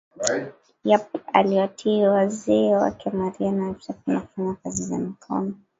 aliwatii wazee wake Maria na Yosefu na kufanya kazi za mikono